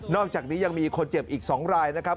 อกจากนี้ยังมีคนเจ็บอีก๒รายนะครับ